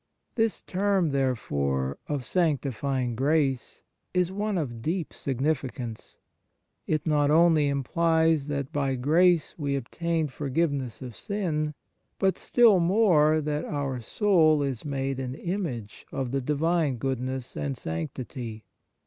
1 This term, therefore, of sanctifying grace is one of deep significance. It not only implies that by grace we obtain forgiveness of sin, but still more that our soul is made an image of the Divine goodness and sanctity.